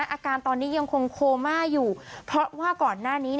อาการตอนนี้ยังคงโคม่าอยู่เพราะว่าก่อนหน้านี้